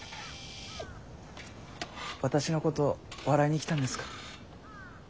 私のこと笑いに来たんですか？